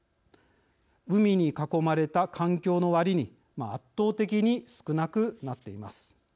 海に囲まれた環境のわりに圧倒的に少なくなっています。